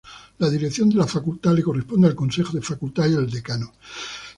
La dirección de la Facultad le corresponde al Consejo de Facultad y al Decano.